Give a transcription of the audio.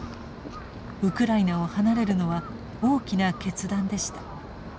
ウクライナを離れるのは大きな決断でした。